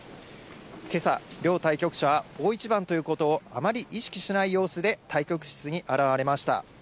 けさ、両対局者は大一番ということをあまり意識しない様子で対局室に現れました。